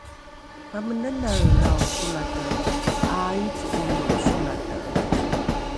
pamenanaelrao solate ’aaico’ono solate